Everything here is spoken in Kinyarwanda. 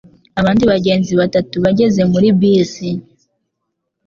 Abandi bagenzi batatu bageze muri bisi.